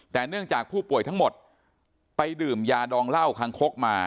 แต่เนื่องจากผู้ป่วยทั้งหมดไปดื่มยาดองเหล้าคังคกมา